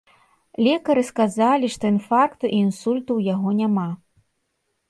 Лекары сказалі, што інфаркту і інсульту ў яго няма.